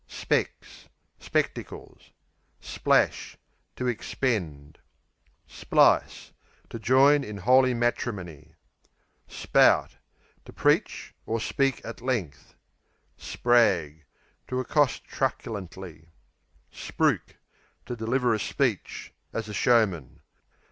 Specs Spectacles. Splash To expend. Splice To join in holy matrimony. Spout To preach or speak at length. Sprag To accost truculently. Spruik To deliver a speech, as a showman.